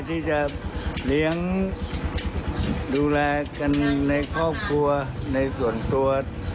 ที่จะเลี้ยงดูแลกันในครอบครัวในส่วนตัว